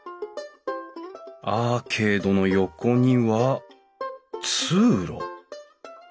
アーケードの横には通路？